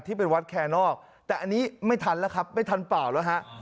ที่เป็นวัดแคนอกแต่อันนี้ไม่ทันแล้วครับไม่ทันเปล่าแล้วฮะ